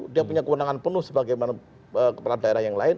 dia punya kewenangan penuh sebagaimana kepala daerah yang lain